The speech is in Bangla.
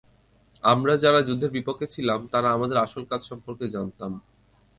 আমরা যারা যুদ্ধের বিপক্ষে ছিলাম, তারা আমাদের আসল কাজ সম্পর্কে জানতাম।